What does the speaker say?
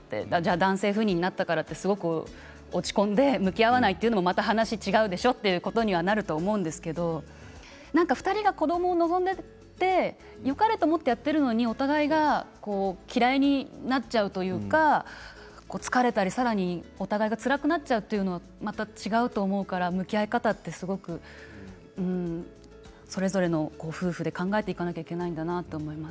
男性不妊になったからすごく落ち込んで向き合わないっていうのも話が違うでしょということになると思うんですけど２人が子どもを望んでいてよかれと思ってやってるのにお互いが嫌いになっちゃうというか疲れたり、さらにお互いがつらくなってしまうというのは違うと思うから、向き合い方ってそれぞれ夫婦で考えていかなきゃいけないんだなと思います。